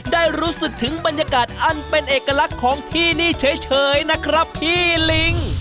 ได้รู้สึกถึงบรรยากาศอันเป็นเอกลักษณ์ของที่นี่เฉยนะครับพี่ลิง